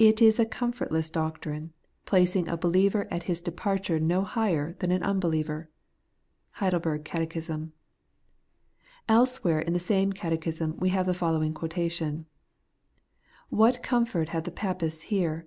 It is a comfortless doctrine, placing a believer at his departure no higher than an unbeliever ' (Heidelberg Catech. ). Elsewhere in the same Catechism we have the foUowing quotation :* Whai comfort have the Papists here?